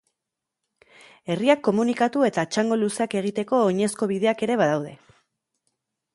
Herriak komunikatu eta txango luzeak egiteko oinezko bideak ere badaude.